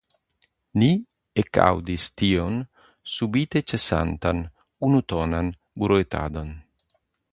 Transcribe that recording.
Ni ekaŭdis tiun subite ĉesantan unutonan bruetadon.